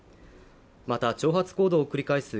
また挑発行動を繰り返す